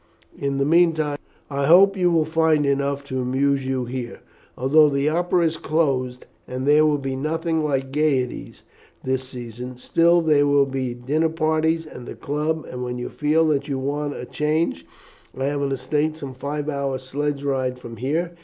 In the meantime, I hope you will find enough to amuse you here, although the opera is closed, and there will be nothing like gaieties this season; still, there will be dinner parties and the club; and when you feel that you want a change I have an estate some five hours' sledge drive from here.